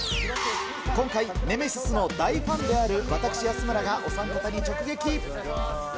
今回、ネメシスの大ファンである私、安村がお三方に直撃。